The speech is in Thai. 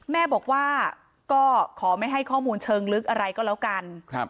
แม่บอกว่าก็ขอไม่ให้ข้อมูลเชิงลึกอะไรก็แล้วกัน